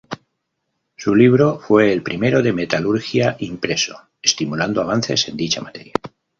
Su libro fue el primero de metalurgia impreso, estimulando avances en dicha materia.